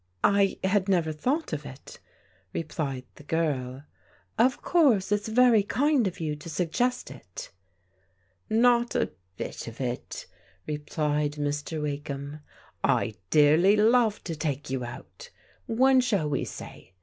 I had never thought of it," replied the girl. " Of course it's very kind of you to suggest it." " Not a bit of it," replied Mr. Wakeham. " I dearly love to take you out. When shall we say?